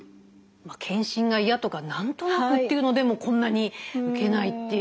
「検診がいや」とか「なんとなく」っていうのでもこんなに受けないっていう。